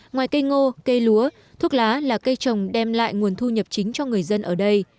ngoài cây ngô cây lúa thuốc lá là cây trồng đem lại nguồn thu nhập chính cho người dân ở đây